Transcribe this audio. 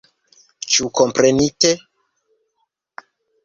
Ĉu komprenite?